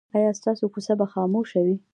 ایا ستاسو کوڅه به خاموشه وي؟